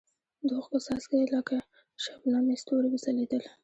د اوښکو څاڅکي یې لکه شبنمي ستوري وځلېدل.